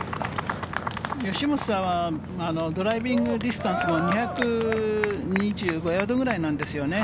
吉本さんはドライビングディスタンスも２２５ヤードぐらいなんですよね。